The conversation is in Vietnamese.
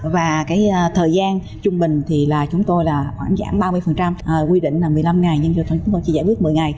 và thời gian trung bình thì chúng tôi khoảng giảm ba mươi quy định là một mươi năm ngày nhưng chúng tôi chỉ giải quyết một mươi ngày